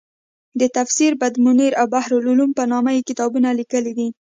د تفسیر بدرمنیر او بحرالعلوم په نامه یې کتابونه لیکلي دي.